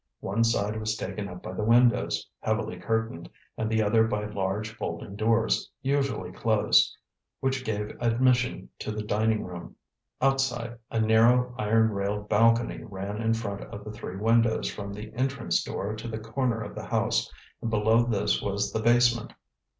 One side was taken up by the windows, heavily curtained, and the other by large folding doors, usually closed, which gave admission to the dining room. Outside, a narrow iron railed balcony ran in front of the three windows from the entrance door to the corner of the house, and below this was the basement.